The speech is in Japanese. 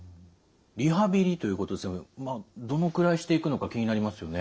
リハビリということでしたけどどのくらいしていくのか気になりますよね。